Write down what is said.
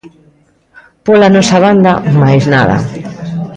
Pola nosa banda máis nada.